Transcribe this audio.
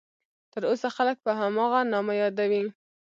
تر اوسه خلک په هماغه نامه یادوي.